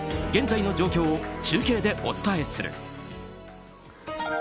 現在の状況を中継でお伝えする。